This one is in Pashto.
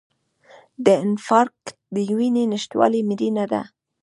د انفارکټ د وینې نشتوالي مړینه ده.